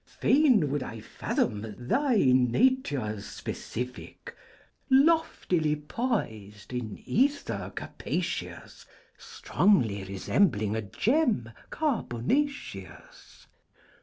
Fain would I fathom thy nature's specific Loftily poised in ether capacious. Strongly resembling a gem carbonaceous.